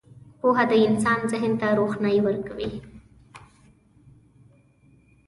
• پوهه د انسان ذهن ته روښنايي ورکوي.